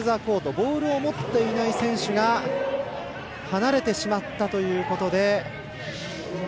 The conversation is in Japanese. ボールを持っていない選手が離れてしまったということで。